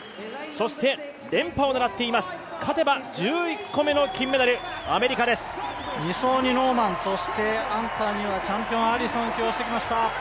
そして、連覇を狙っています、勝てば１１個目の金メダル２走にノーマンそしてアンカーにはチャンピオン・アリソンを起用してきました。